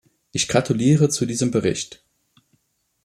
Ich gratuliere zu diesem Bericht.